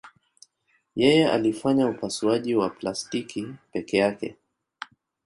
Yeye alifanya upasuaji wa plastiki peke yake.